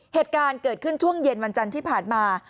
เหตุการณ์เกิดขึ้นช่วงเย็นวันจันทร์ที่ผ่านมา